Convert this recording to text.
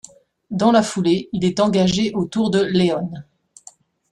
Dans la foulée, il est engagé au Tour de León.